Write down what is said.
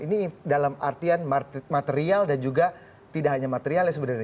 ini dalam artian material dan juga tidak hanya materialnya sebenarnya